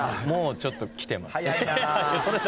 もうちょっときてます。